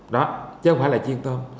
đó chứ không phải là chiên tôm